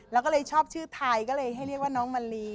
แล้วก็เลยชอบชื่อไทยก็เลยให้เรียกว่าน้องมะลี